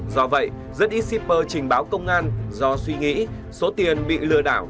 do vậy rất ít shipper trình báo công an do suy nghĩ số tiền bị lừa đảo